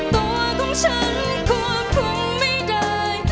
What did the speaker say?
ตัวของฉันควบคุมไม่ได้